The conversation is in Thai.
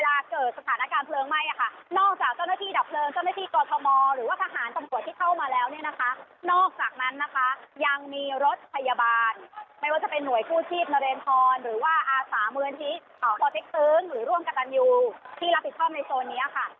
ไม่ว่าจะเป็นหน่วยผู้ชีพนเรนทรหรือว่าอาสามือทิศอ่าหรือร่วมกันอยู่ที่รับผิดความในโซนนี้ค่ะ